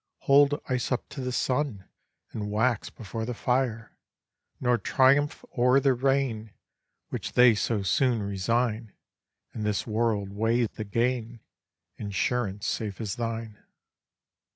Hold ice up to the sun, And wax before the fire; Nor triumph o'er the reign Which they so soon resign; In this world weigh the gain, Insurance safe is thine.